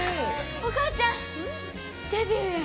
お母ちゃんデビューや。